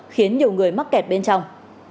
khiến nhiều người mắc kẹt bên trong